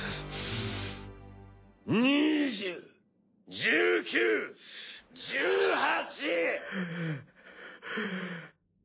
２０１９１８。